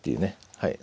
はい。